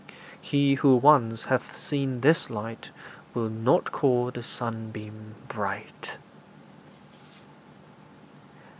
He who once hath seen this light Will not call the sunbeam bright.